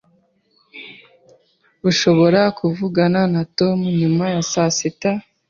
Uzashobora kuvugana na Tom nyuma ya sasita